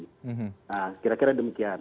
nah kira kira demikian